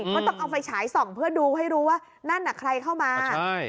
ก็ต้องเอาไฟฉายส่องเพื่อดูให้รู้ว่านั่นน่ะใครเข้ามา